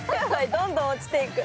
「どんどん落ちていく」。